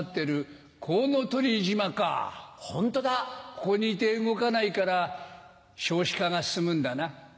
ここにいて動かないから少子化が進むんだな。